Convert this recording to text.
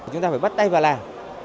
chúng ta phải bắt tay vào làm